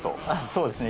そうですね。